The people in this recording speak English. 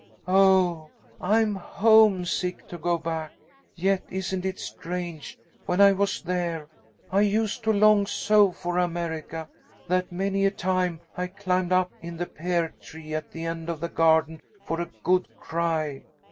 Oh, I'm homesick to go back. Yet, isn't it strange, when I was there I used to long so for America, that many a time I climbed up in the pear tree at the end of the garden for a good cry.